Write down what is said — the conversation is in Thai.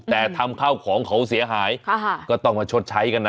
แต่ทำข้าวของเขาเสียหายก็ต้องมาชดใช้กันนะ